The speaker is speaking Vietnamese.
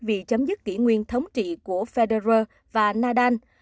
vì chấm dứt kỷ nguyên thống trị của federer và nadal